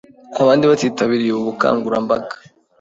Abandi batitabiriye ubu bukangurambaga